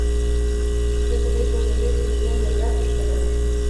ځکه دی پوهېده چې دده له درد سره.